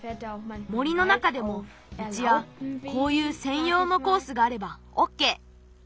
森の中でもみちやこういうせんようのコースがあればオッケー。